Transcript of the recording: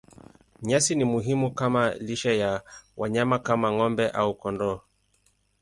Nyasi ni muhimu kama lishe ya wanyama kama ng'ombe au kondoo.